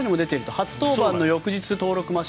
初登板の翌日登録の抹消